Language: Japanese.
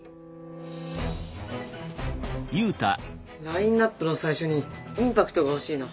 ラインナップの最初にインパクトが欲しいな。